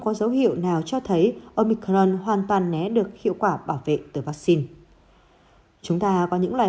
có dấu hiệu nào cho thấy omicron hoàn toàn né được hiệu quả bảo vệ từ vắc xin chúng ta có những loại